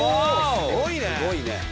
すごいね。